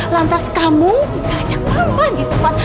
lantas kamu ngajak mama gitu fan